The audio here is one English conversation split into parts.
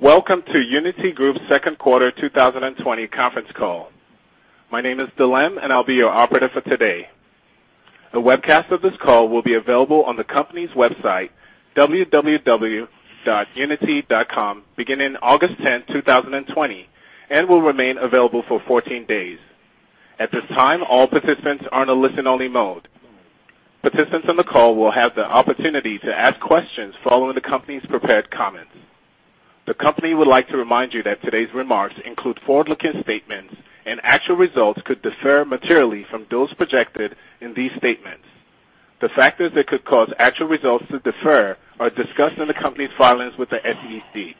Welcome to Uniti Group's Second Quarter 2020 Conference Call. My name is Dalem, and I'll be your operator for today. A webcast of this call will be available on the company's website, www.uniti.com, beginning August 10th, 2020, and will remain available for 14 days. At this time, all participants are in a listen-only mode. Participants on the call will have the opportunity to ask questions following the company's prepared comments. The company would like to remind you that today's remarks include forward-looking statements, and actual results could differ materially from those projected in these statements. The factors that could cause actual results to differ are discussed in the company's filings with the SEC.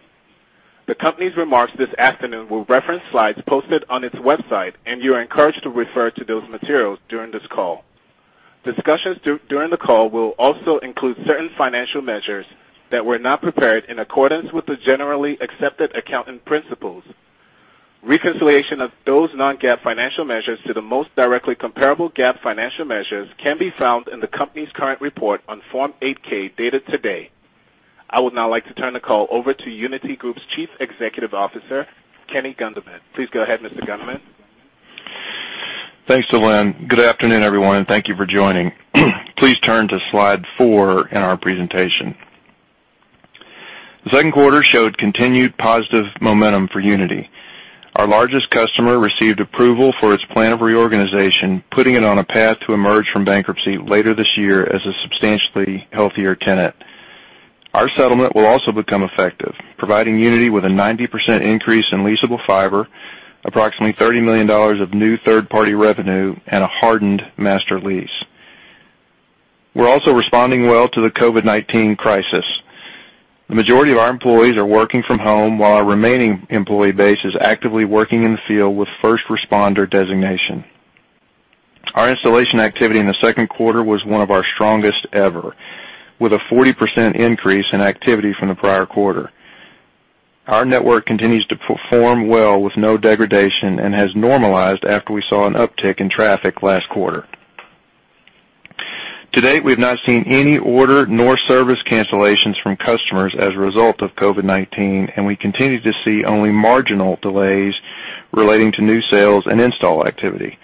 The company's remarks this afternoon will reference slides posted on its website, and you are encouraged to refer to those materials during this call. Discussions during the call will also include certain financial measures that were not prepared in accordance with the Generally Accepted Accounting Principles. Reconciliation of those non-GAAP financial measures to the most directly comparable GAAP financial measures can be found in the company's current report on Form 8-K, dated today. I would now like to turn the call over to Uniti Group's Chief Executive Officer, Kenny Gunderman. Please go ahead, Mr. Gunderman. Thanks, Dalem. Good afternoon, everyone, and thank you for joining. Please turn to Slide four in our presentation. The second quarter showed continued positive momentum for Uniti. Our largest customer received approval for its plan of reorganization, putting it on a path to emerge from bankruptcy later this year as a substantially healthier tenant. Our settlement will also become effective, providing Uniti with a 90% increase in leasable fiber, approximately $30 million of new third-party revenue, and a hardened master lease. We're also responding well to the COVID-19 crisis. The majority of our employees are working from home, while our remaining employee base is actively working in the field with first responder designation. Our installation activity in the second quarter was one of our strongest ever, with a 40% increase in activity from the prior quarter. Our network continues to perform well with no degradation and has normalized after we saw an uptick in traffic last quarter. To date, we've not seen any order nor service cancellations from customers as a result of COVID-19, and we continue to see only marginal delays relating to new sales and install activity.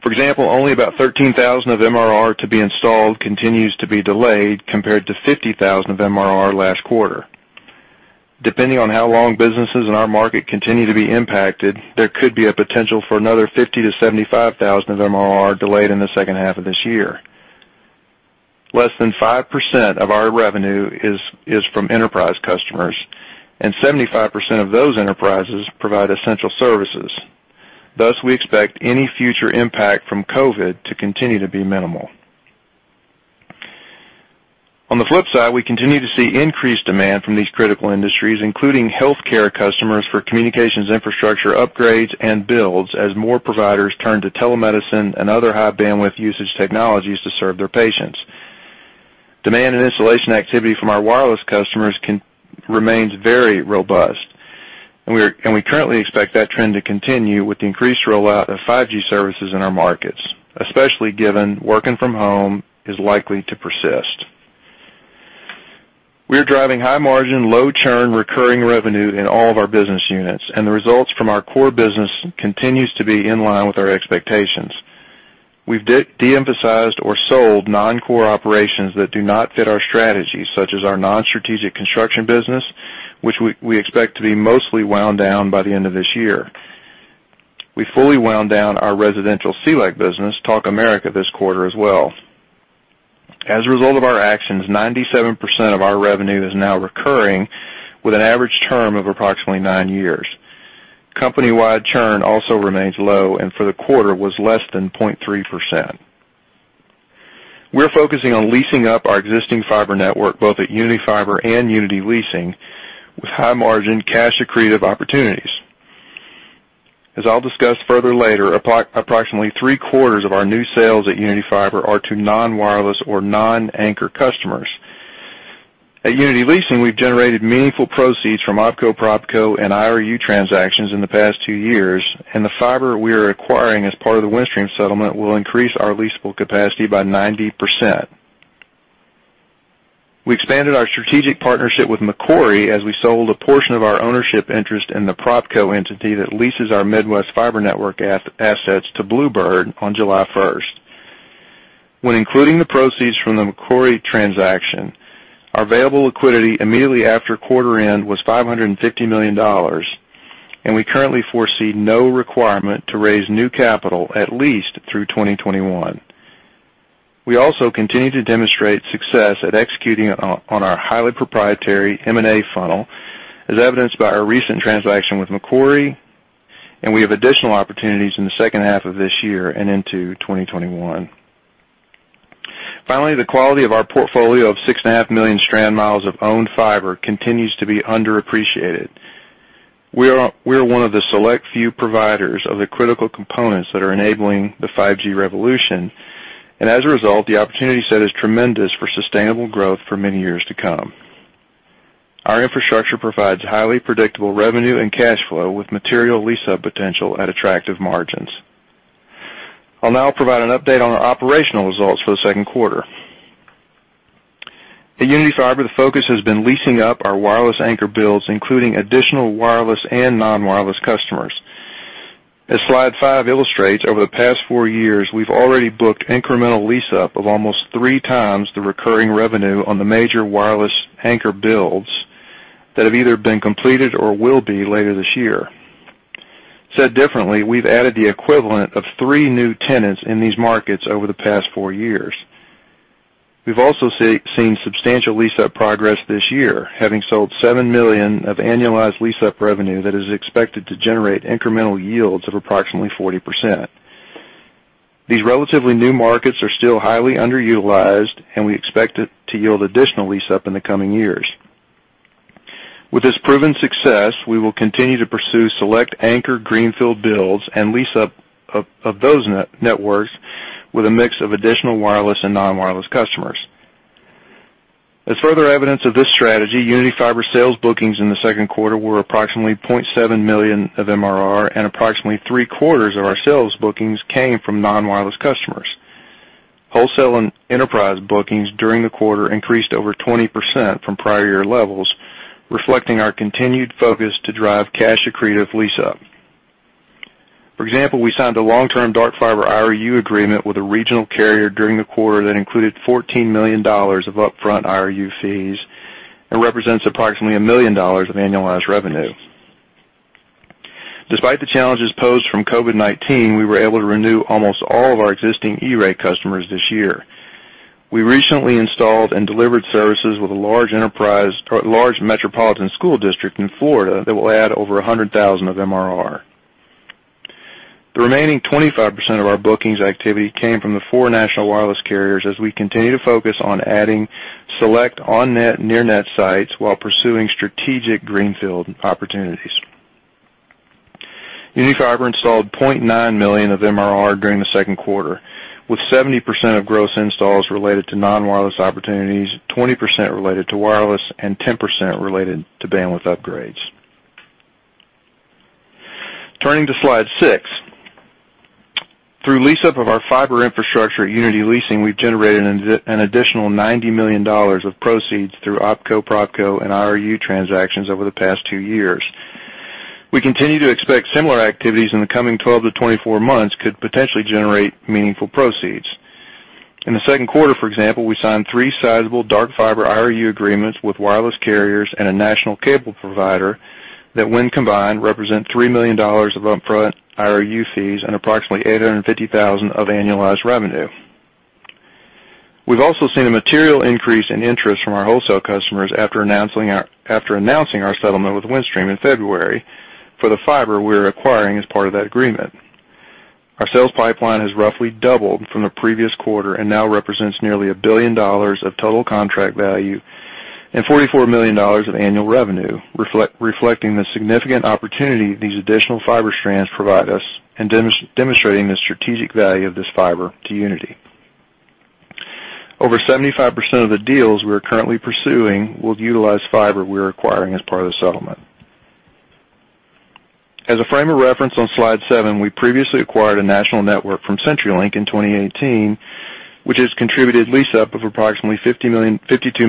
For example, only about $13,000 of MRR to be installed continues to be delayed, compared to $50,000 of MRR last quarter. Depending on how long businesses in our market continue to be impacted, there could be a potential for another $50,000-$75,000 of MRR delayed in the second half of this year. Less than 5% of our revenue is from enterprise customers, and 75% of those enterprises provide essential services. Thus, we expect any future impact from COVID to continue to be minimal. On the flip side, we continue to see increased demand from these critical industries, including healthcare customers for communications infrastructure upgrades and builds as more providers turn to telemedicine and other high bandwidth usage technologies to serve their patients. Demand and installation activity from our wireless customers remains very robust, and we currently expect that trend to continue with the increased rollout of 5G services in our markets, especially given working from home is likely to persist. We are driving high margin, low churn, recurring revenue in all of our business units, and the results from our core business continues to be in line with our expectations. We've de-emphasized or sold non-core operations that do not fit our strategy, such as our non-strategic construction business, which we expect to be mostly wound down by the end of this year. We fully wound down our residential CLEC business, Talk America, this quarter as well. As a result of our actions, 97% of our revenue is now recurring with an average term of approximately nine years. Company-wide churn also remains low and for the quarter was less than 0.3%. We're focusing on leasing up our existing fiber network, both at Uniti Fiber and Uniti Leasing, with high margin, cash-accretive opportunities. As I'll discuss further later, approximately three-quarters of our new sales at Uniti Fiber are to non-wireless or non-anchor customers. At Uniti Leasing, we've generated meaningful proceeds from OpCo, PropCo, and IRU transactions in the past two years, and the fiber we are acquiring as part of the Windstream settlement will increase our leasable capacity by 90%. We expanded our strategic partnership with Macquarie as we sold a portion of our ownership interest in the PropCo entity that leases our Midwest fiber network assets to Bluebird on July 1st. When including the proceeds from the Macquarie transaction, our available liquidity immediately after quarter end was $550 million, and we currently foresee no requirement to raise new capital at least through 2021. We also continue to demonstrate success at executing on our highly proprietary M&A funnel, as evidenced by our recent transaction with Macquarie, and we have additional opportunities in the second half of this year and into 2021. Finally, the quality of our portfolio of 6.5 million strand miles of owned fiber continues to be underappreciated. We are one of the select few providers of the critical components that are enabling the 5G revolution. As a result, the opportunity set is tremendous for sustainable growth for many years to come. Our infrastructure provides highly predictable revenue and cash flow with material lease-up potential at attractive margins. I'll now provide an update on our operational results for the second quarter. At Uniti Fiber, the focus has been leasing up our wireless anchor builds, including additional wireless and non-wireless customers. As Slide five illustrates, over the past four years, we've already booked incremental lease-up of almost three times the recurring revenue on the major wireless anchor builds that have either been completed or will be later this year. Said differently, we've added the equivalent of three new tenants in these markets over the past four years. We've also seen substantial lease-up progress this year, having sold $7 million of annualized lease-up revenue that is expected to generate incremental yields of approximately 40%. These relatively new markets are still highly underutilized, and we expect it to yield additional lease-up in the coming years. With this proven success, we will continue to pursue select anchor greenfield builds and lease-up of those networks with a mix of additional wireless and non-wireless customers. As further evidence of this strategy, Uniti Fiber sales bookings in the second quarter were approximately $0.7 million of MRR and approximately three-quarters of our sales bookings came from non-wireless customers. Wholesale and enterprise bookings during the quarter increased over 20% from prior year levels, reflecting our continued focus to drive cash accretive lease-up. For example, we signed a long-term dark fiber IRU agreement with a regional carrier during the quarter that included $14 million of upfront IRU fees and represents approximately $1 million of annualized revenue. Despite the challenges posed from COVID-19, we were able to renew almost all of our existing E-Rate customers this year. We recently installed and delivered services with a large metropolitan school district in Florida that will add over $100,000 of MRR. The remaining 25% of our bookings activity came from the four national wireless carriers as we continue to focus on adding select on-net near net sites while pursuing strategic greenfield opportunities. Uniti Fiber installed $0.9 million of MRR during the second quarter, with 70% of gross installs related to non-wireless opportunities, 20% related to wireless, and 10% related to bandwidth upgrades. Turning to Slide six. Through lease-up of our fiber infrastructure at Uniti Leasing, we've generated an additional $90 million of proceeds through OpCo, PropCo, and IRU transactions over the past two years. We continue to expect similar activities in the coming 12-24 months could potentially generate meaningful proceeds. In the second quarter, for example, we signed three sizable dark fiber IRU agreements with wireless carriers and a national cable provider that, when combined, represent $3 million of upfront IRU fees and approximately $850,000 of annualized revenue. We've also seen a material increase in interest from our wholesale customers after announcing our settlement with Windstream in February for the fiber we're acquiring as part of that agreement. Our sales pipeline has roughly doubled from the previous quarter and now represents nearly $1 billion of total contract value and $44 million of annual revenue, reflecting the significant opportunity these additional fiber strands provide us and demonstrating the strategic value of this fiber to Uniti. Over 75% of the deals we are currently pursuing will utilize fiber we're acquiring as part of the settlement. As a frame of reference on Slide seven, we previously acquired a national network from CenturyLink in 2018, which has contributed lease-up of approximately $52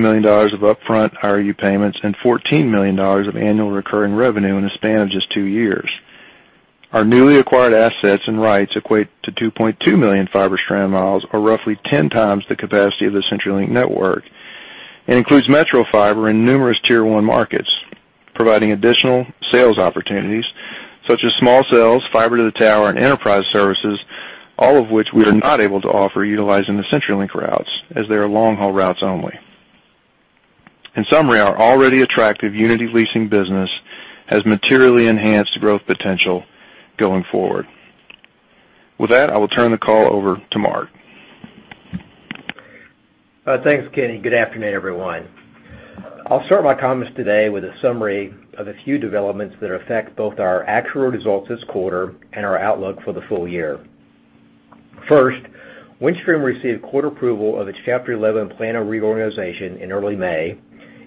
million of upfront IRU payments and $14 million of annual recurring revenue in a span of just two years. Our newly acquired assets and rights equate to 2.2 million fiber strand miles or roughly 10 times the capacity of the CenturyLink network and includes metro fiber in numerous Tier 1 markets, providing additional sales opportunities such as small cells, fiber to the tower, and enterprise services, all of which we are not able to offer utilizing the CenturyLink routes as they are long-haul routes only. In summary, our already attractive Uniti Leasing business has materially enhanced growth potential going forward. With that, I will turn the call over to Mark. Thanks, Kenny. Good afternoon, everyone. I'll start my comments today with a summary of a few developments that affect both our actual results this quarter and our outlook for the full year. First, Windstream received court approval of its Chapter 11 plan of reorganization in early May,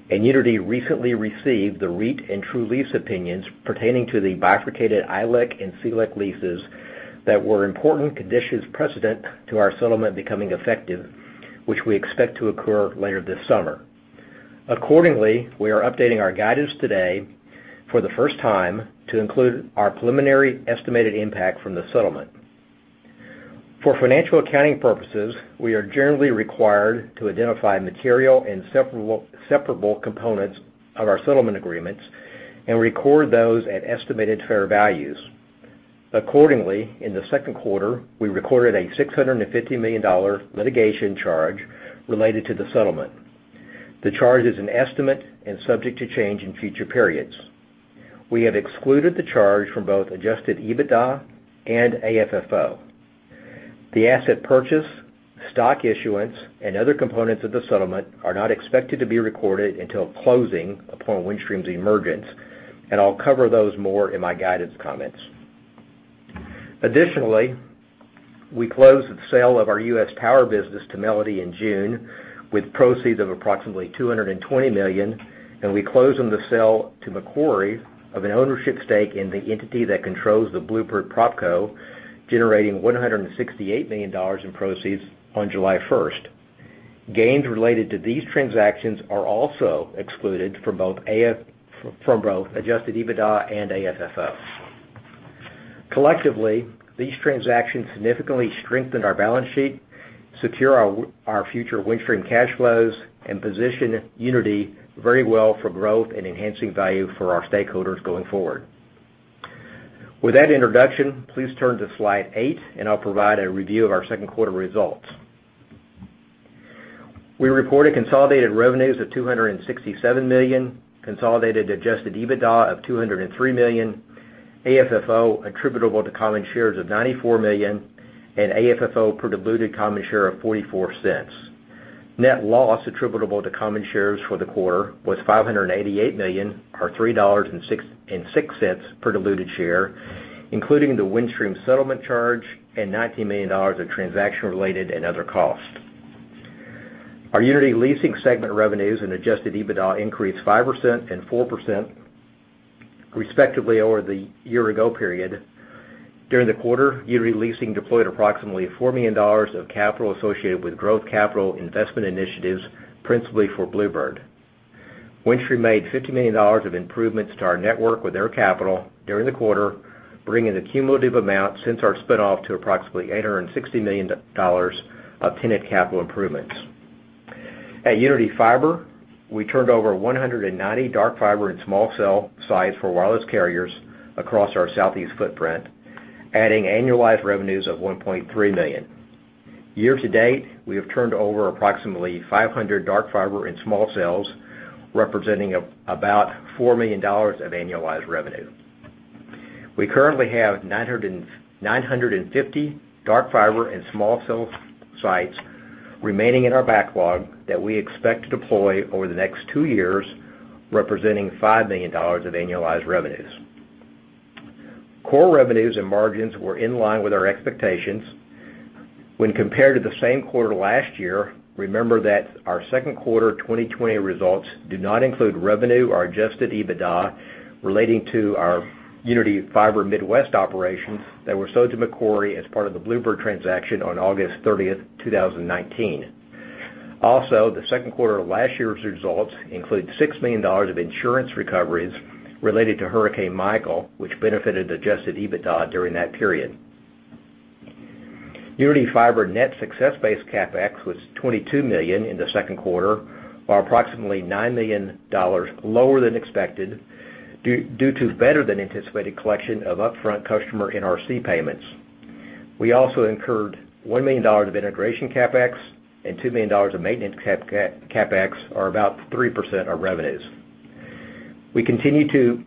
and Uniti recently received the REIT and true lease opinions pertaining to the bifurcated ILEC and CLEC leases that were important conditions precedent to our settlement becoming effective, which we expect to occur later this summer. Accordingly, we are updating our guidance today for the first time to include our preliminary estimated impact from the settlement. For financial accounting purposes, we are generally required to identify material and separable components of our settlement agreements and record those at estimated fair values. Accordingly, in the second quarter, we recorded a $650 million litigation charge related to the settlement. The charge is an estimate and subject to change in future periods. We have excluded the charge from both adjusted EBITDA and AFFO. The asset purchase, stock issuance, and other components of the settlement are not expected to be recorded until closing upon Windstream's emergence, and I'll cover those more in my guidance comments. Additionally, we closed the sale of our U.S. tower business to Melody in June with proceeds of approximately $220 million, and we closed on the sale to Macquarie of an ownership stake in the entity that controls the Bluebird PropCo, generating $168 million in proceeds on July 1st. Gains related to these transactions are also excluded from both adjusted EBITDA and AFFO. Collectively, these transactions significantly strengthened our balance sheet, secure our future Windstream cash flows, and position Uniti very well for growth and enhancing value for our stakeholders going forward. With that introduction, please turn to Slide eight, and I'll provide a review of our second quarter results. We reported consolidated revenues of $267 million, consolidated adjusted EBITDA of $203 million, AFFO attributable to common shares of $94 million, and AFFO per diluted common share of $0.44. Net loss attributable to common shares for the quarter was $588 million, or $3.06 per diluted share, including the Windstream settlement charge and $90 million of transaction related and other costs. Our Uniti Leasing segment revenues and adjusted EBITDA increased 5% and 4% respectively over the year-ago period. During the quarter, Uniti Leasing deployed approximately $4 million of capital associated with growth capital investment initiatives, principally for Bluebird. Windstream made $50 million of improvements to our network with their capital during the quarter, bringing the cumulative amount since our spinoff to approximately $860 million of tenant capital improvements. At Uniti Fiber, we turned over 190 dark fiber and small cell sites for wireless carriers across our Southeast footprint, adding annualized revenues of $1.3 million. Year-to-date, we have turned over approximately 500 dark fiber and small cells, representing about $4 million of annualized revenue. We currently have 950 dark fiber and small cell sites remaining in our backlog that we expect to deploy over the next two years, representing $5 million of annualized revenues. Core revenues and margins were in line with our expectations. When compared to the same quarter last year, remember that our second quarter 2020 results do not include revenue or adjusted EBITDA relating to our Uniti Fiber Midwest operations that were sold to Macquarie as part of the Bluebird transaction on August 30th, 2019. The second quarter of last year's results include $6 million of insurance recoveries related to Hurricane Michael, which benefited adjusted EBITDA during that period. Uniti Fiber net success-based CapEx was $22 million in the second quarter, or approximately $9 million lower than expected due to better than anticipated collection of upfront customer NRC payments. We incurred $1 million of integration CapEx and $2 million of maintenance CapEx, or about 3% of revenues. We continue to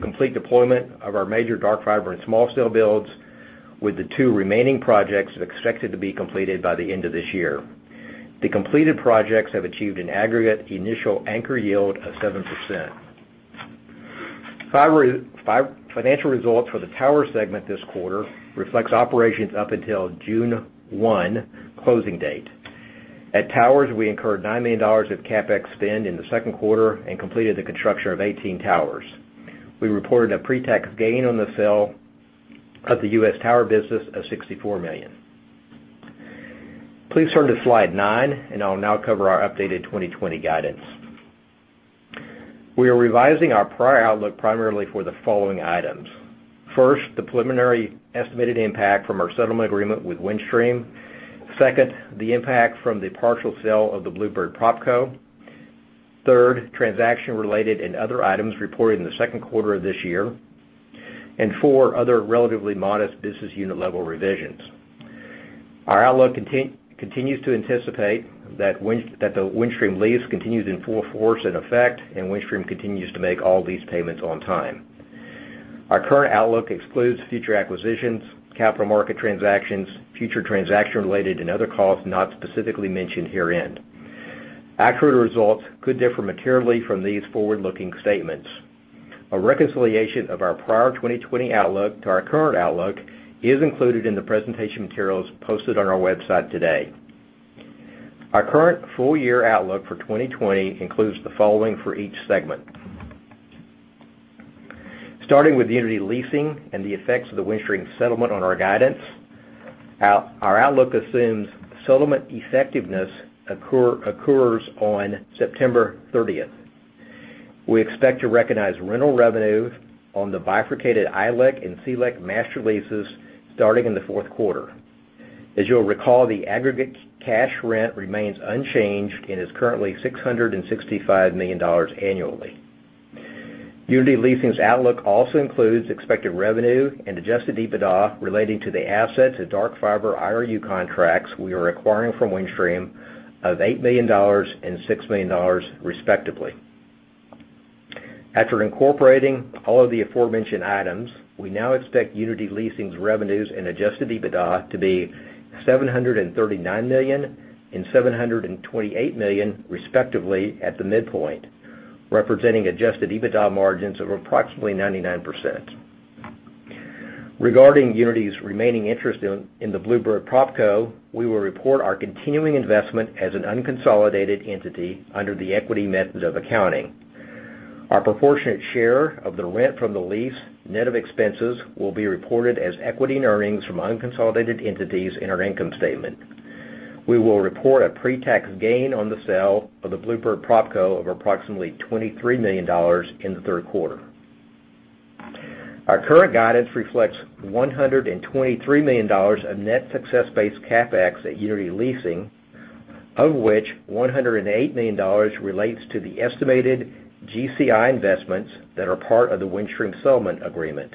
complete deployment of our major dark fiber and small cell builds, with the two remaining projects expected to be completed by the end of this year. The completed projects have achieved an aggregate initial anchor yield of 7%. Financial results for the tower segment this quarter reflects operations up until June 1 closing date. At towers, we incurred $9 million of CapEx spend in the second quarter and completed the construction of 18 towers. We reported a pre-tax gain on the sale of the U.S. tower business of $64 million. Please turn to Slide nine, I'll now cover our updated 2020 guidance. We are revising our prior outlook primarily for the following items. First, the preliminary estimated impact from our settlement agreement with Windstream. Second, the impact from the partial sale of the Bluebird PropCo. Third, transaction-related and other items reported in the second quarter of this year. Four, other relatively modest business unit level revisions. Our outlook continues to anticipate that the Windstream lease continues in full force in effect, and Windstream continues to make all lease payments on time. Our current outlook excludes future acquisitions, capital market transactions, future transaction-related and other costs not specifically mentioned herein. Accurate results could differ materially from these forward-looking statements. A reconciliation of our prior 2020 outlook to our current outlook is included in the presentation materials posted on our website today. Our current full year outlook for 2020 includes the following for each segment. Starting with Uniti Leasing and the effects of the Windstream settlement on our guidance, our outlook assumes settlement effectiveness occurs on September 30th. We expect to recognize rental revenues on the bifurcated ILEC and CLEC master leases starting in the fourth quarter. As you'll recall, the aggregate cash rent remains unchanged and is currently $665 million annually. Uniti Leasing's outlook also includes expected revenue and adjusted EBITDA relating to the assets of dark fiber IRU contracts we are acquiring from Windstream of $8 million and $6 million, respectively. After incorporating all of the aforementioned items, we now expect Uniti Leasing's revenues and adjusted EBITDA to be $739 million and $728 million respectively at the midpoint, representing adjusted EBITDA margins of approximately 99%. Regarding Uniti's remaining interest in the Bluebird PropCo, we will report our continuing investment as an unconsolidated entity under the equity method of accounting. Our proportionate share of the rent from the lease, net of expenses, will be reported as equity and earnings from unconsolidated entities in our income statement. We will report a pre-tax gain on the sale of the Bluebird PropCo of approximately $23 million in the third quarter. Our current guidance reflects $123 million of net success-based CapEx at Uniti Leasing, of which $108 million relates to the estimated GCI investments that are part of the Windstream settlement agreement.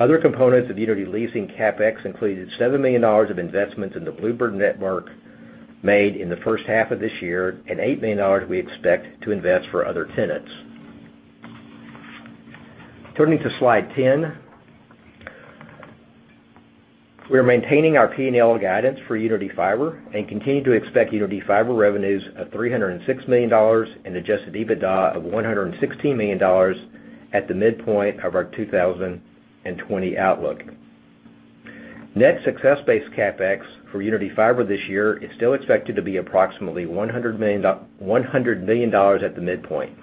Other components of Uniti Leasing CapEx included $7 million of investments in the Bluebird Network made in the first half of this year, and $8 million we expect to invest for other tenants. Turning to Slide 10. We are maintaining our P&L guidance for Uniti Fiber and continue to expect Uniti Fiber revenues of $306 million and adjusted EBITDA of $116 million at the midpoint of our 2020 outlook. Net success-based CapEx for Uniti Fiber this year is still expected to be approximately $100 million at the midpoint.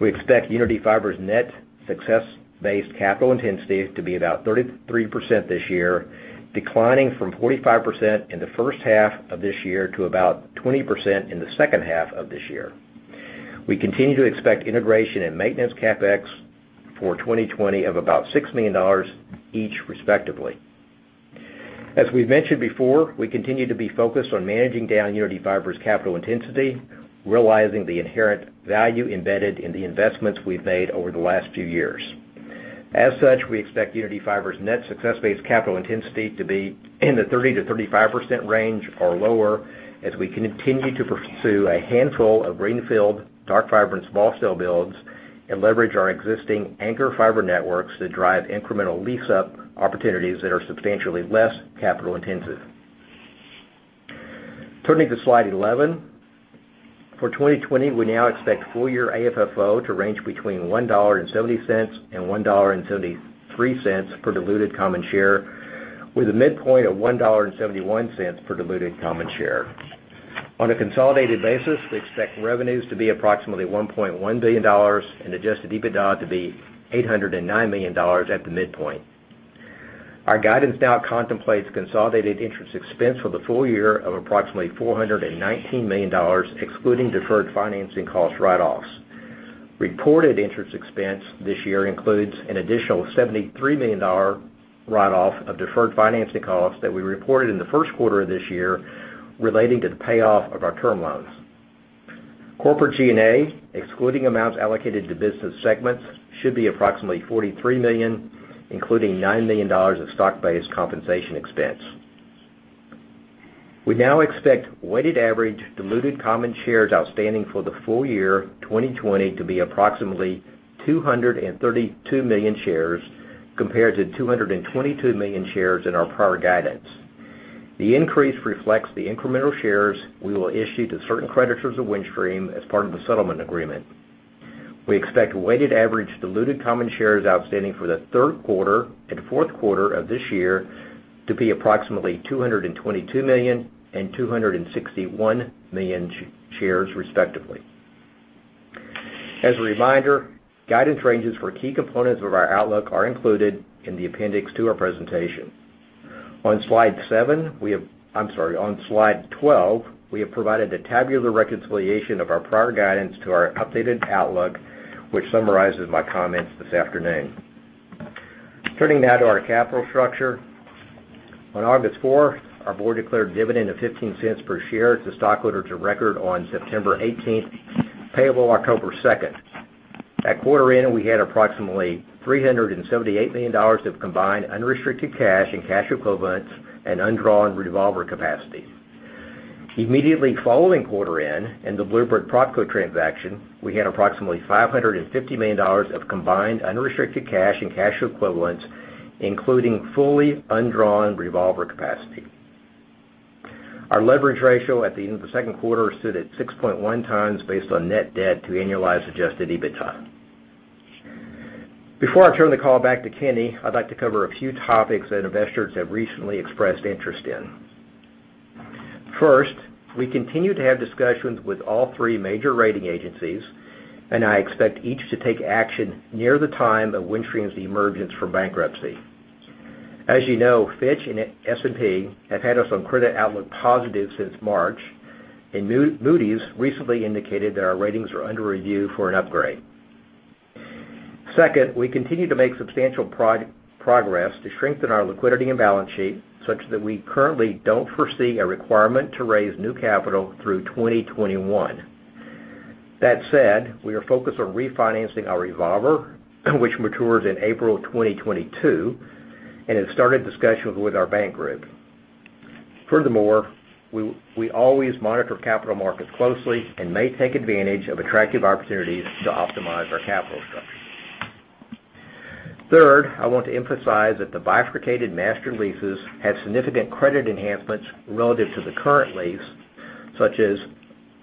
We expect Uniti Fiber's net success-based capital intensity to be about 33% this year, declining from 45% in the first half of this year to about 20% in the second half of this year. We continue to expect integration and maintenance CapEx for 2020 of about $6 million each respectively. As we've mentioned before, we continue to be focused on managing down Uniti Fiber's capital intensity, realizing the inherent value embedded in the investments we've made over the last few years. As such, we expect Uniti Fiber's net success-based capital intensity to be in the 30%-35% range or lower as we continue to pursue a handful of greenfield dark fiber and small cell builds and leverage our existing anchor fiber networks to drive incremental lease-up opportunities that are substantially less capital intensive. Turning to Slide 11. For 2020, we now expect full-year AFFO to range between $1.70 and $1.73 per diluted common share, with a midpoint of $1.71 per diluted common share. On a consolidated basis, we expect revenues to be approximately $1.1 billion and adjusted EBITDA to be $809 million at the midpoint. Our guidance now contemplates consolidated interest expense for the full year of approximately $419 million, excluding deferred financing cost write-offs. Reported interest expense this year includes an additional $73 million write-off of deferred financing costs that we reported in the first quarter of this year relating to the payoff of our term loans. Corporate G&A, excluding amounts allocated to business segments, should be approximately $43 million, including $9 million of stock-based compensation expense. We now expect weighted average diluted common shares outstanding for the full year 2020 to be approximately 232 million shares compared to 222 million shares in our prior guidance. The increase reflects the incremental shares we will issue to certain creditors of Windstream as part of the settlement agreement. We expect weighted average diluted common shares outstanding for the third quarter and fourth quarter of this year to be approximately 222 million and 261 million shares respectively. As a reminder, guidance ranges for key components of our outlook are included in the appendix to our presentation. On Slide seven, on Slide 12, we have provided a tabular reconciliation of our prior guidance to our updated outlook, which summarizes my comments this afternoon. Turning now to our capital structure. On August 4th, our board declared a dividend of $0.15 per share to stockholders of record on September 18th, payable October 2nd. At quarter end, we had approximately $378 million of combined unrestricted cash and cash equivalents and undrawn revolver capacity. Immediately following quarter end and the Bluebird PropCo transaction, we had approximately $550 million of combined unrestricted cash and cash equivalents, including fully undrawn revolver capacity. Our leverage ratio at the end of the second quarter stood at 6.1x based on net debt to annualized adjusted EBITDA. Before I turn the call back to Kenny, I'd like to cover a few topics that investors have recently expressed interest in. First, we continue to have discussions with all three major rating agencies, and I expect each to take action near the time of Windstream's emergence from bankruptcy. As you know, Fitch and S&P have had us on credit outlook positive since March, and Moody's recently indicated that our ratings are under review for an upgrade. Second, we continue to make substantial progress to strengthen our liquidity and balance sheet such that we currently don't foresee a requirement to raise new capital through 2021. That said, we are focused on refinancing our revolver, which matures in April 2022, and have started discussions with our bank group. Furthermore, we always monitor capital markets closely and may take advantage of attractive opportunities to optimize our capital structure. Third, I want to emphasize that the bifurcated master leases have significant credit enhancements relative to the current lease, such as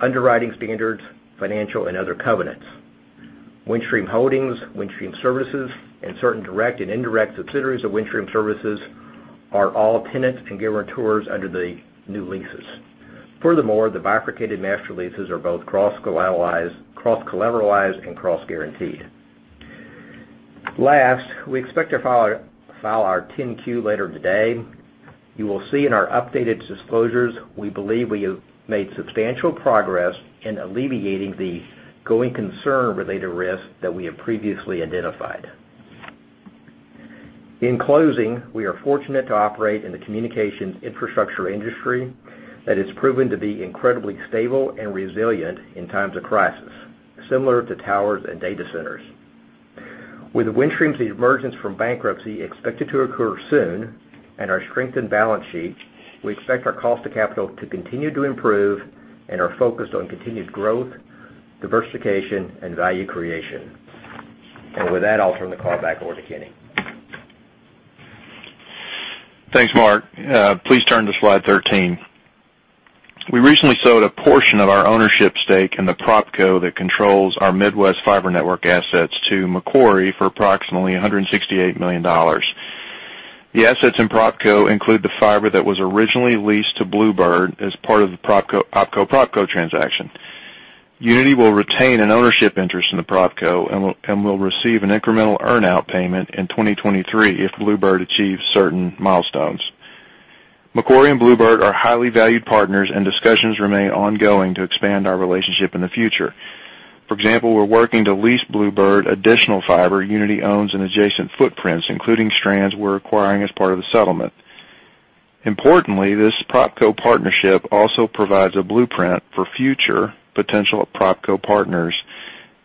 underwriting standards, financial, and other covenants. Windstream Holdings, Windstream Services, and certain direct and indirect subsidiaries of Windstream Services are all tenants and guarantors under the new leases. The bifurcated master leases are both cross-collateralized and cross-guaranteed. Last, we expect to file our 10-Q later today. You will see in our updated disclosures, we believe we have made substantial progress in alleviating the going concern-related risk that we have previously identified. In closing, we are fortunate to operate in the communications infrastructure industry that has proven to be incredibly stable and resilient in times of crisis, similar to towers and data centers. With Windstream's emergence from bankruptcy expected to occur soon and our strengthened balance sheet, we expect our cost of capital to continue to improve and are focused on continued growth, diversification, and value creation. With that, I'll turn the call back over to Kenny. Thanks, Mark. Please turn to Slide 13. We recently sold a portion of our ownership stake in the PropCo that controls our Midwest fiber network assets to Macquarie for approximately $168 million. The assets in PropCo include the fiber that was originally leased to Bluebird as part of the OpCo/PropCo transaction. Uniti will retain an ownership interest in the PropCo and will receive an incremental earn-out payment in 2023 if Bluebird achieves certain milestones. Macquarie and Bluebird are highly valued partners, discussions remain ongoing to expand our relationship in the future. For example, we're working to lease Bluebird additional fiber Uniti owns in adjacent footprints, including strands we're acquiring as part of the settlement. Importantly, this PropCo partnership also provides a blueprint for future potential PropCo partners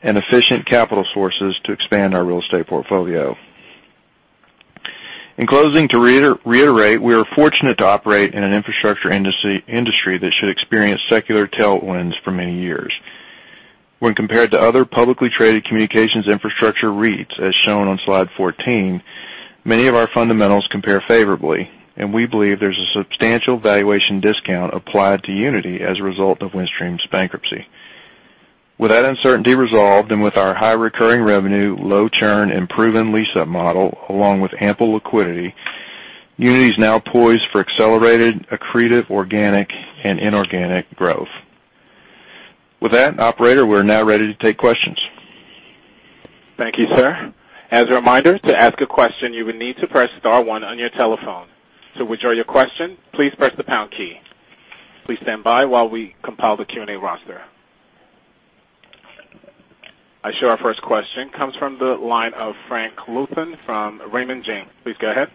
and efficient capital sources to expand our real estate portfolio. In closing, to reiterate, we are fortunate to operate in an infrastructure industry that should experience secular tailwinds for many years. When compared to other publicly traded communications infrastructure REITs, as shown on Slide 14, many of our fundamentals compare favorably, and we believe there's a substantial valuation discount applied to Uniti as a result of Windstream's bankruptcy. With that uncertainty resolved, and with our high recurring revenue, low churn, and proven lease-up model, along with ample liquidity, Uniti's now poised for accelerated, accretive, organic, and inorganic growth. With that, Operator, we're now ready to take questions. Thank you, sir. As a reminder, to ask a question, you will need to press star one on your telephone. To withdraw your question, please press the pound key. Please stand by while we compile the Q&A roster. I show our first question comes from the line of Frank Louthan from Raymond James. Please go ahead.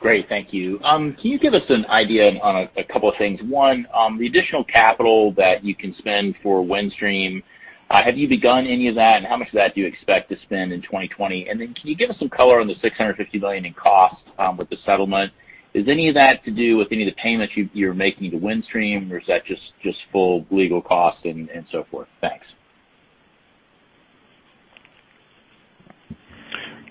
Great. Thank you. Can you give us an idea on a couple of things? One, the additional capital that you can spend for Windstream, have you begun any of that, and how much of that do you expect to spend in 2020? Can you give us some color on the $650 million in costs with the settlement? Is any of that to do with any of the payments you're making to Windstream, or is that just full legal costs and so forth? Thanks.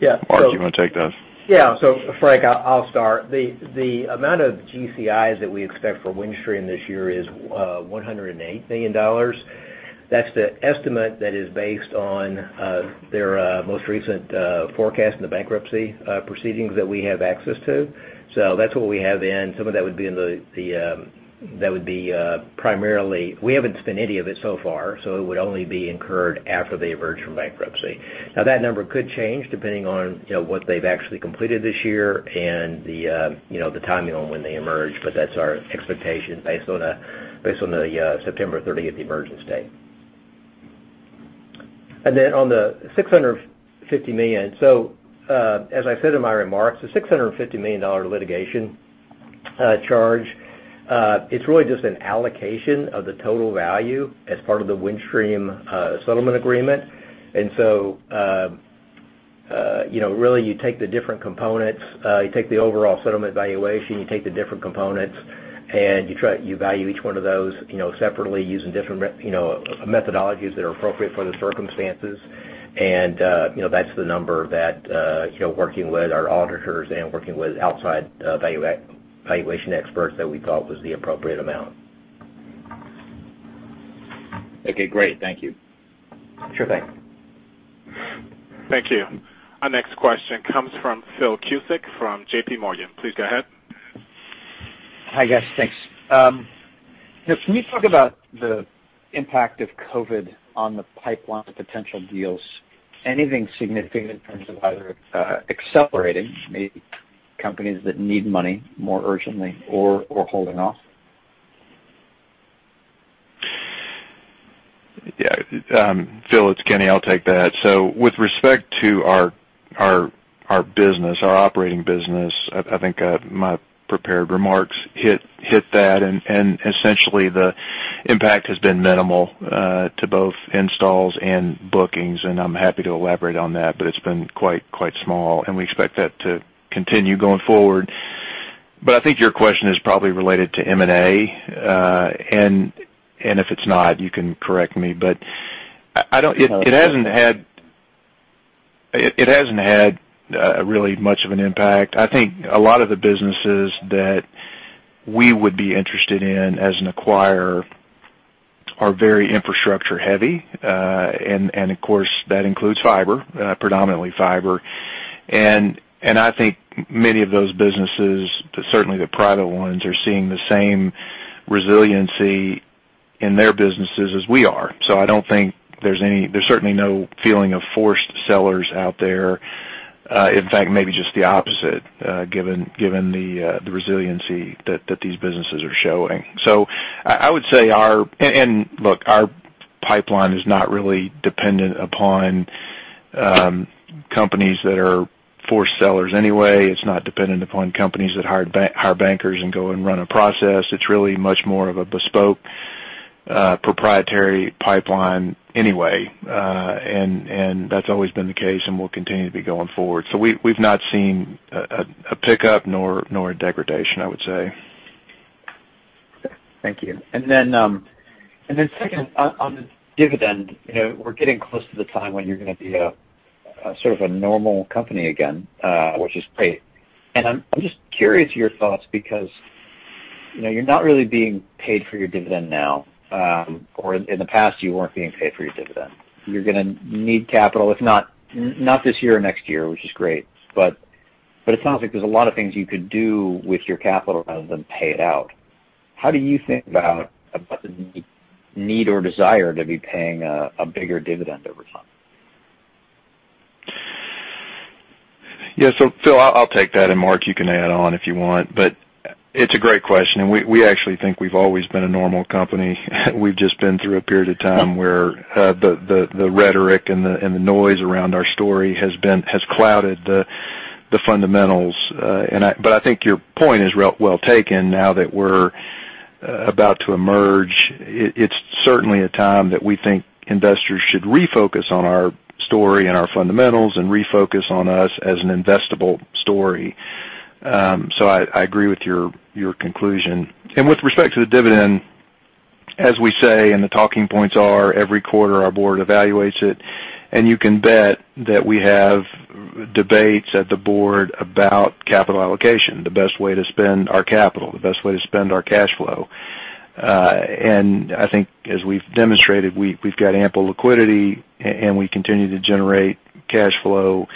Mark, do you want to take that? Yeah. Frank, I'll start. The amount of GCIs that we expect for Windstream this year is $108 million. That's the estimate that is based on their most recent forecast in the bankruptcy proceedings that we have access to. That's what we have in. We haven't spent any of it so far, so it would only be incurred after they emerge from bankruptcy. That number could change depending on what they've actually completed this year and the timing on when they emerge. That's our expectation based on the September 30th emergence date. On the $650 million. As I said in my remarks, the $650 million litigation charge, it's really just an allocation of the total value as part of the Windstream settlement agreement. Really, you take the overall settlement valuation, you take the different components, and you value each one of those separately using different methodologies that are appropriate for the circumstances. That's the number that, working with our auditors and working with outside valuation experts, that we thought was the appropriate amount. Okay, great. Thank you. Sure thing. Thank you. Our next question comes from Phil Cusick from JPMorgan. Please go ahead. Hi, guys. Thanks. Can you talk about the impact of COVID-19 on the pipeline of potential deals? Anything significant in terms of either accelerating, maybe companies that need money more urgently, or holding off? Yeah. Phil, it's Kenny, I'll take that. With respect to our operating business, I think my prepared remarks hit that, and essentially the impact has been minimal to both installs and bookings, and I'm happy to elaborate on that, but it's been quite small, and we expect that to continue going forward. I think your question is probably related to M&A, and if it's not, you can correct me, but it hasn't had really much of an impact. I think a lot of the businesses that we would be interested in as an acquirer are very infrastructure heavy. Of course, that includes fiber, predominantly fiber. I think many of those businesses, certainly the private ones, are seeing the same resiliency in their businesses as we are. I don't think there's certainly no feeling of forced sellers out there. In fact, maybe just the opposite, given the resiliency that these businesses are showing. Look, our pipeline is not really dependent upon companies that are forced sellers anyway. It's not dependent upon companies that hire bankers and go and run a process. It's really much more of a bespoke, proprietary pipeline anyway. That's always been the case and will continue to be going forward. We've not seen a pickup nor a degradation, I would say. Thank you. Second, on the dividend, we're getting close to the time when you're going to be a sort of a normal company again, which is great. I'm just curious your thoughts because you're not really being paid for your dividend now, or in the past you weren't being paid for your dividend. You're going to need capital, if not this year or next year, which is great. It sounds like there's a lot of things you could do with your capital rather than pay it out. How do you think about the need or desire to be paying a bigger dividend over time? Yeah. Phil, I'll take that, and Mark, you can add on if you want. It's a great question, and we actually think we've always been a normal company. We've just been through a period of time where the rhetoric and the noise around our story has clouded the fundamentals. I think your point is well taken now that we're about to emerge. It's certainly a time that we think investors should refocus on our story and our fundamentals and refocus on us as an investable story. I agree with your conclusion. With respect to the dividend, as we say, and the talking points are every quarter our board evaluates it, and you can bet that we have debates at the board about capital allocation, the best way to spend our capital, the best way to spend our cash flow. I think as we've demonstrated, we've got ample liquidity and we continue to generate cash flow.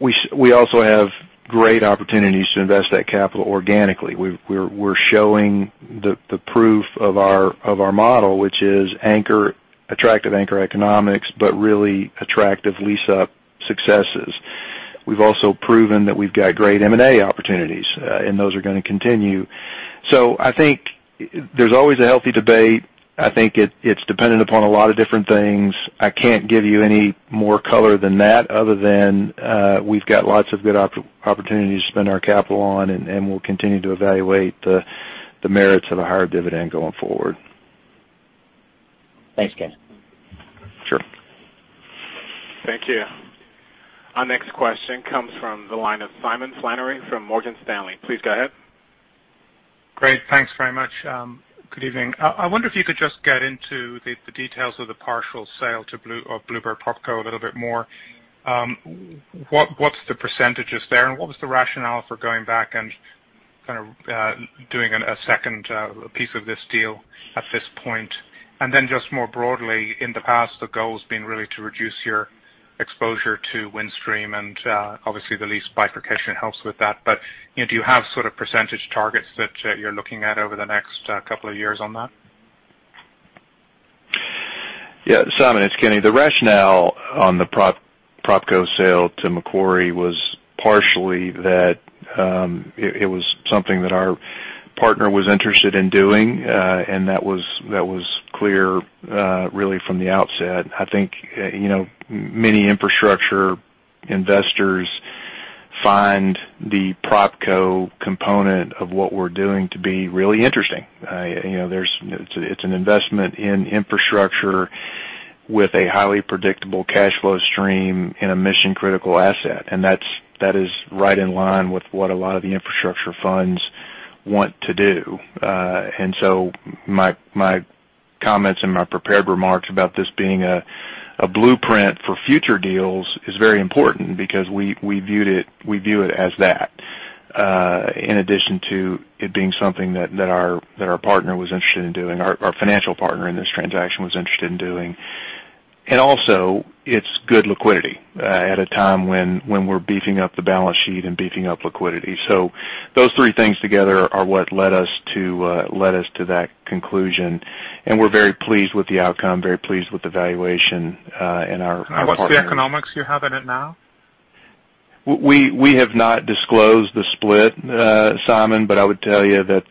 We also have great opportunities to invest that capital organically. We're showing the proof of our model, which is attractive anchor economics, but really attractive lease-up successes. We've also proven that we've got great M&A opportunities, and those are going to continue. I think there's always a healthy debate. I think it's dependent upon a lot of different things. I can't give you any more color than that other than, we've got lots of good opportunities to spend our capital on, and we'll continue to evaluate the merits of a higher dividend going forward. Thanks, Kenny. Sure. Thank you. Our next question comes from the line of Simon Flannery from Morgan Stanley. Please go ahead. Great. Thanks very much. Good evening. I wonder if you could just get into the details of the partial sale of Bluebird PropCo a little bit more. What's the percentages there, and what was the rationale for going back and kind of doing a second piece of this deal at this point? Just more broadly, in the past, the goal's been really to reduce your exposure to Windstream and, obviously the lease bifurcation helps with that. Do you have sort of percentage targets that you're looking at over the next couple of years on that? Yeah. Simon, it's Kenny. The rationale on the PropCo sale to Macquarie was partially that it was something that our partner was interested in doing, that was clear, really from the outset. I think many infrastructure investors find the PropCo component of what we're doing to be really interesting. It's an investment in infrastructure with a highly predictable cash flow stream in a mission-critical asset. That is right in line with what a lot of the infrastructure funds want to do. My comments and my prepared remarks about this being a blueprint for future deals is very important because we view it as that. In addition to it being something that our partner was interested in doing, our financial partner in this transaction was interested in doing. Also, it's good liquidity at a time when we're beefing up the balance sheet and beefing up liquidity. Those three things together are what led us to that conclusion, and we're very pleased with the outcome, very pleased with the valuation, and our partners. What's the economics you have in it now? We have not disclosed the split, Simon, but I would tell you that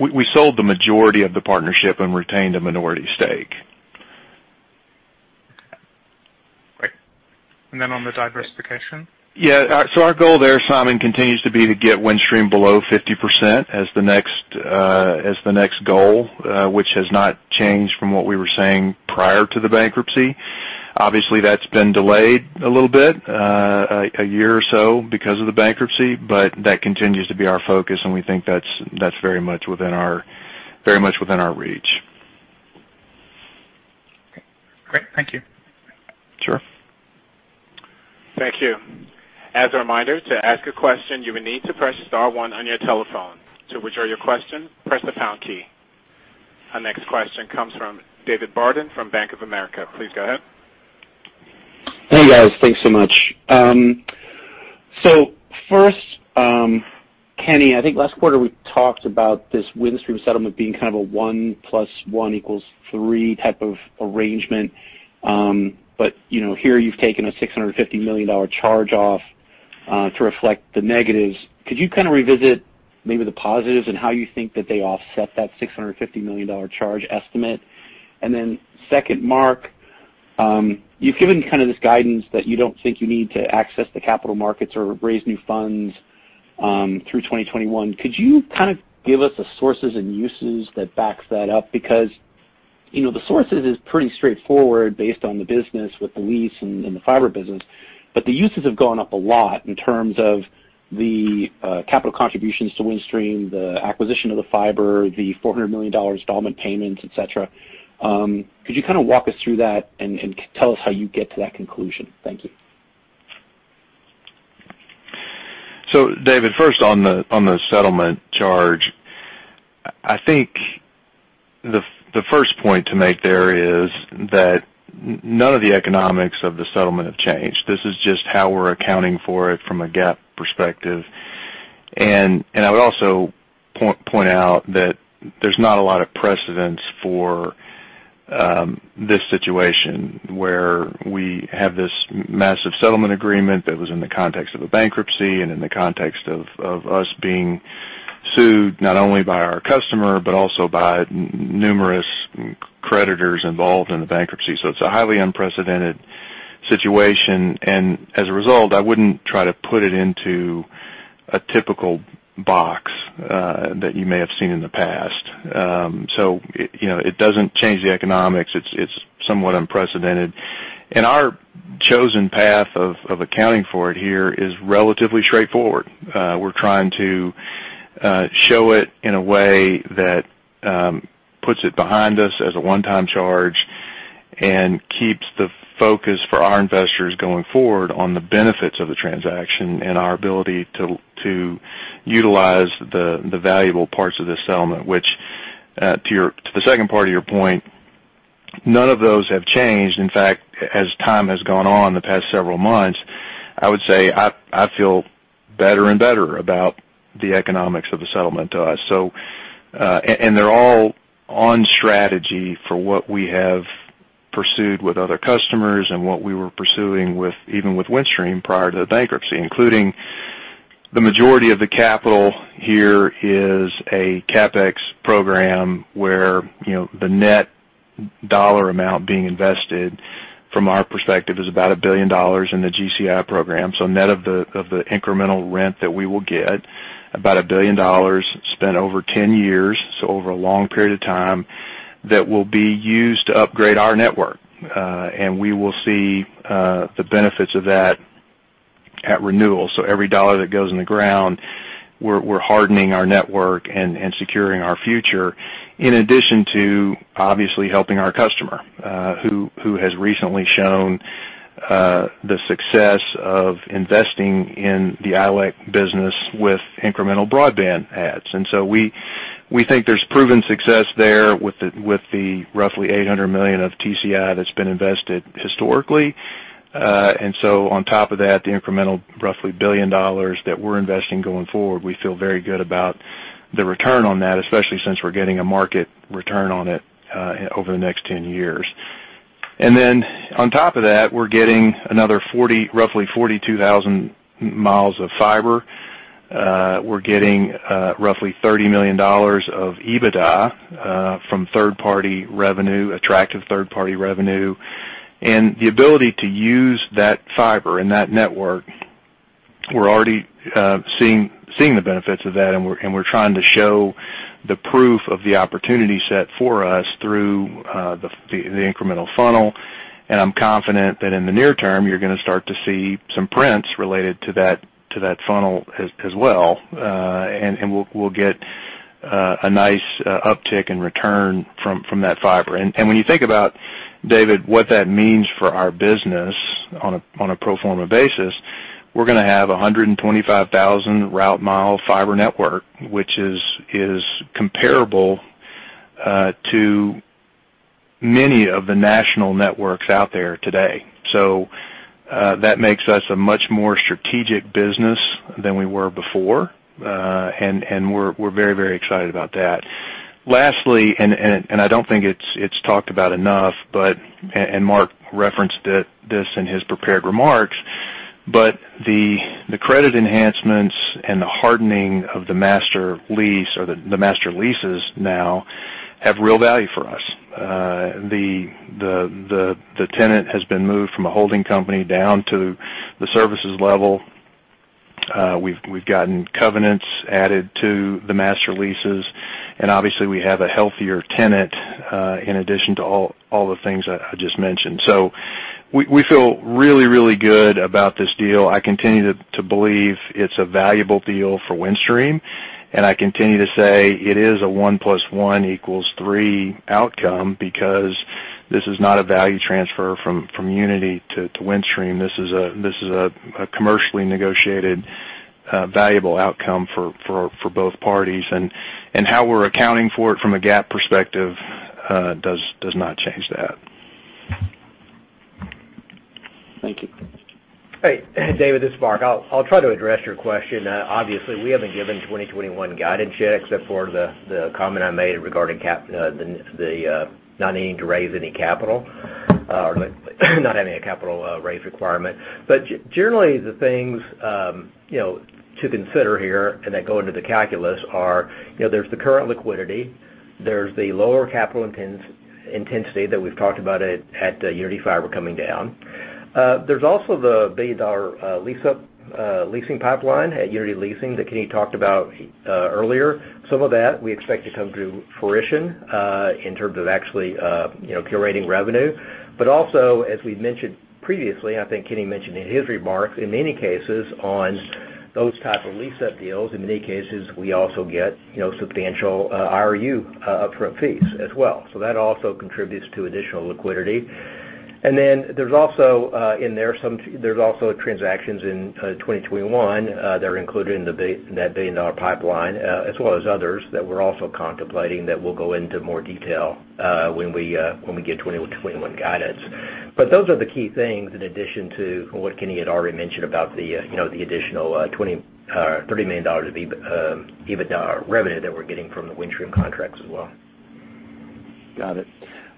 we sold the majority of the partnership and retained a minority stake. Great. On the diversification? Yeah. Our goal there, Simon, continues to be to get Windstream below 50% as the next goal, which has not changed from what we were saying prior to the bankruptcy. Obviously, that's been delayed a little bit, a year or so because of the bankruptcy, but that continues to be our focus, and we think that's very much within our reach. Okay, great. Thank you. Sure. Thank you. As a reminder, to ask a question, you will need to press star one on your telephone. To withdraw your question, press the pound key. Our next question comes from David Barden from Bank of America. Please go ahead. Hey, guys. Thanks so much. First, Kenny, I think last quarter we talked about this Windstream settlement being kind of a 1 + 1 = 3 type of arrangement. Here you've taken a $650 million charge off to reflect the negatives. Could you kind of revisit maybe the positives and how you think that they offset that $650 million charge estimate? Second, Mark, you've given this guidance that you don't think you need to access the capital markets or raise new funds through 2021. Could you give us the sources and uses that backs that up? The sources is pretty straightforward based on the business with the lease and the fiber business, but the uses have gone up a lot in terms of the capital contributions to Windstream, the acquisition of the fiber, the $400 million installment payments, etc. Could you kind of walk us through that and tell us how you get to that conclusion? Thank you. David, first on the settlement charge, I think the first point to make there is that none of the economics of the settlement have changed. This is just how we're accounting for it from a GAAP perspective. I would also point out that there's not a lot of precedents for this situation where we have this massive settlement agreement that was in the context of a bankruptcy and in the context of us being sued not only by our customer, but also by numerous creditors involved in the bankruptcy. It's a highly unprecedented situation, and as a result, I wouldn't try to put it into a typical box that you may have seen in the past. It doesn't change the economics. It's somewhat unprecedented. Our chosen path of accounting for it here is relatively straightforward. We're trying to show it in a way that puts it behind us as a one-time charge and keeps the focus for our investors going forward on the benefits of the transaction and our ability to utilize the valuable parts of the settlement. Which, to the second part of your point, none of those have changed. In fact, as time has gone on the past several months, I would say I feel better and better about the economics of the settlement to us. They're all on strategy for what we have pursued with other customers and what we were pursuing even with Windstream prior to the bankruptcy, including the majority of the capital here is a CapEx program where the net dollar amount being invested from our perspective is about $1 billion in the GCI program. Net of the incremental rent that we will get, about $1 billion spent over 10 years, over a long period of time, that will be used to upgrade our network. We will see the benefits of that at renewal. Every dollar that goes in the ground, we're hardening our network and securing our future, in addition to obviously helping our customer, who has recently shown the success of investing in the ILEC business with incremental broadband adds. We think there's proven success there with the roughly $800 million of TCI that's been invested historically. On top of that, the incremental roughly $1 billion that we're investing going forward, we feel very good about the return on that, especially since we're getting a market return on it over the next 10 years. Then on top of that, we're getting another roughly 42,000 miles of fiber. We're getting roughly $30 million of EBITDA from third-party revenue, attractive third-party revenue, and the ability to use that fiber and that network. We're already seeing the benefits of that, and we're trying to show the proof of the opportunity set for us through the incremental funnel. I'm confident that in the near term, you're going to start to see some prints related to that funnel as well, and we'll get a nice uptick in return from that fiber. When you think about, David, what that means for our business on a pro forma basis, we're going to have 125,000 route mile fiber network, which is comparable to many of the national networks out there today. That makes us a much more strategic business than we were before, and we're very excited about that. Lastly, and I don't think it's talked about enough, and Mark referenced this in his prepared remarks, but the credit enhancements and the hardening of the master lease or the master leases now have real value for us. The tenant has been moved from a holding company down to the services level. We've gotten covenants added to the master leases, and obviously we have a healthier tenant in addition to all the things I just mentioned. We feel really, really good about this deal. I continue to believe it's a valuable deal for Windstream, and I continue to say it is a 1 + 1 = 3 outcome because this is not a value transfer from Uniti to Windstream. This is a commercially negotiated, valuable outcome for both parties. How we're accounting for it from a GAAP perspective does not change that. Thank you. Hey, David, this is Mark. I'll try to address your question. Obviously, we haven't given 2021 guidance yet except for the comment I made regarding not needing to raise any capital, or not having a capital raise requirement. Generally, the things to consider here and that go into the calculus are, there's the current liquidity, there's the lower capital intensity that we've talked about at Uniti Fiber coming down. There's also the billion-dollar leasing pipeline at Uniti Leasing that Kenny talked about earlier. Some of that we expect to come to fruition, in terms of actually generating revenue. Also, as we've mentioned previously, I think Kenny mentioned in his remarks, in many cases on those type of lease-up deals, in many cases, we also get substantial IRU upfront fees as well. That also contributes to additional liquidity. There's also transactions in 2021 that are included in that billion-dollar pipeline, as well as others that we're also contemplating that we'll go into more detail when we give 2021 guidance. Those are the key things in addition to what Kenny had already mentioned about the additional $30 million of EBITDA revenue that we're getting from the Windstream contracts as well. Got it.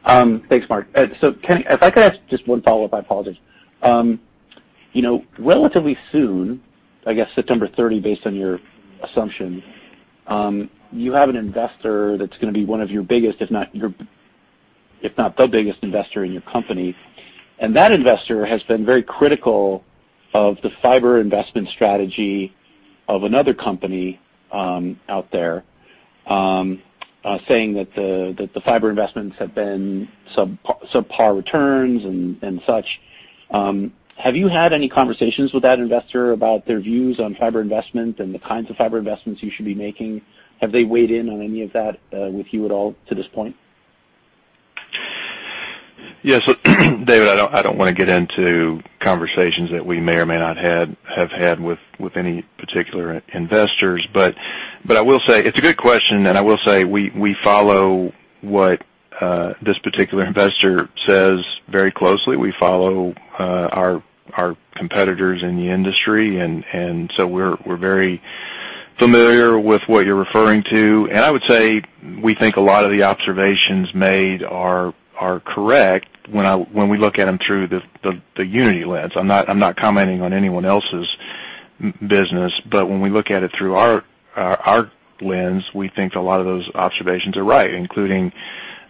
Thanks, Mark. Kenny, if I could ask just one follow-up, I apologize. Relatively soon, I guess September 30, based on your assumption, you have an investor that's going to be one of your biggest, if not the biggest investor in your company. That investor has been very critical of the fiber investment strategy of another company out there, saying that the fiber investments have been subpar returns and such. Have you had any conversations with that investor about their views on fiber investment and the kinds of fiber investments you should be making? Have they weighed in on any of that with you at all to this point? Yes, David, I don't want to get into conversations that we may or may not have had with any particular investors, but I will say it's a good question, and I will say we follow what this particular investor says very closely. We follow our competitors in the industry, so we're very familiar with what you're referring to. I would say we think a lot of the observations made are correct when we look at them through the Uniti Lens. I'm not commenting on anyone else's business. When we look at it through our lens, we think a lot of those observations are right, including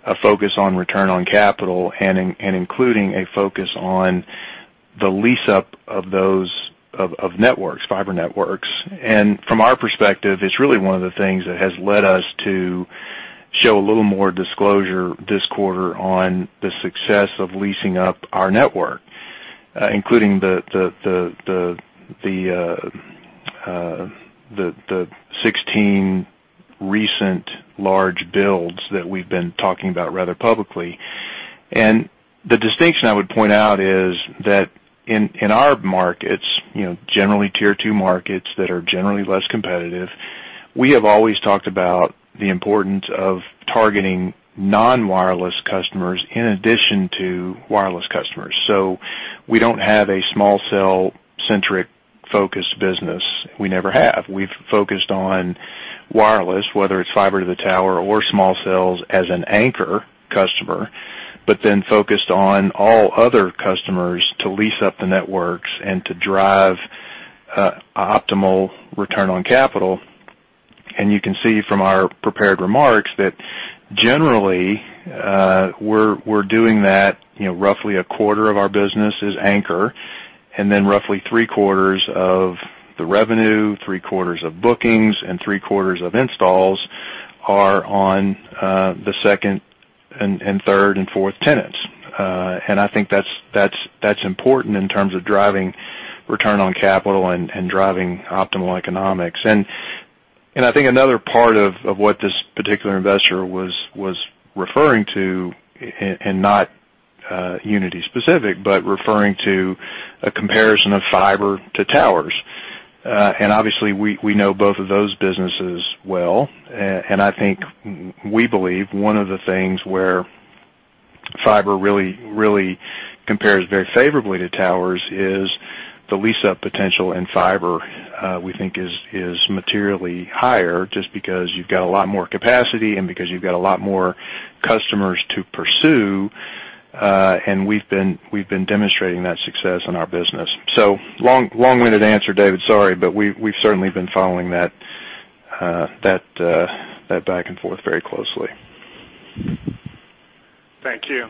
a focus on return on capital and including a focus on the lease-up of networks, fiber networks. From our perspective, it's really one of the things that has led us to show a little more disclosure this quarter on the success of leasing up our network, including the 16 recent large builds that we've been talking about rather publicly. The distinction I would point out is that in our markets, generally Tier 2 markets that are generally less competitive, we have always talked about the importance of targeting non-wireless customers in addition to wireless customers. We don't have a small cell-centric focused business. We never have. We've focused on wireless, whether it's fiber to the tower or small cells as an anchor customer, but focused on all other customers to lease up the networks and to drive optimal return on capital. You can see from our prepared remarks that generally, we're doing that. Roughly a quarter of our business is anchor, and then roughly three quarters of the revenue, three quarters of bookings, and three quarters of installs are on the second, third, and fourth tenants. I think that's important in terms of driving return on capital and driving optimal economics. I think another part of what this particular investor was referring to, and not Uniti specific, but referring to a comparison of fiber to towers. Obviously, we know both of those businesses well. I think we believe one of the things where fiber really compares very favorably to towers is the lease-up potential in fiber, we think is materially higher just because you've got a lot more capacity and because you've got a lot more customers to pursue, and we've been demonstrating that success in our business. Long-winded answer, David, sorry, but we've certainly been following that back and forth very closely. Thank you.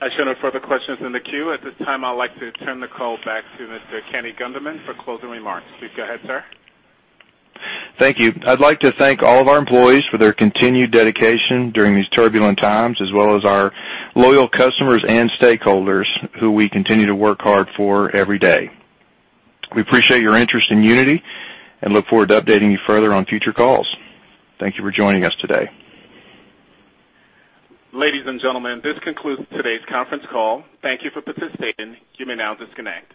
I show no further questions in the queue. At this time, I'd like to turn the call back to Mr. Kenny Gunderman for closing remarks. Please go ahead, sir. Thank you. I'd like to thank all of our employees for their continued dedication during these turbulent times, as well as our loyal customers and stakeholders who we continue to work hard for every day. We appreciate your interest in Uniti and look forward to updating you further on future calls. Thank you for joining us today. Ladies and gentlemen, this concludes today's conference call. Thank you for participating. You may now disconnect.